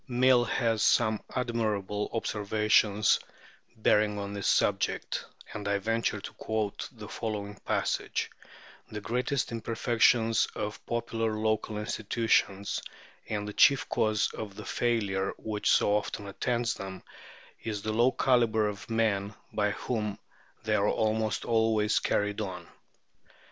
Mill has some admirable observations bearing on this subject, and I venture to quote the following passage: "The greatest imperfection of popular local institutions, and the chief cause of the failure which so often attends them, is the low calibre of the men by whom they are almost always carried on.